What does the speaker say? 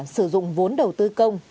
sử dụng vốn đầu tư công